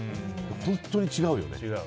本当に違うよね。